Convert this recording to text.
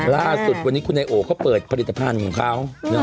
ล่าสุดวันนี้คุณไอโอเขาเปิดผลิตภัณฑ์ของเขา